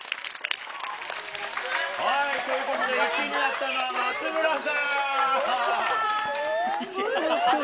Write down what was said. はい、ということで、１位になったのは松村さん。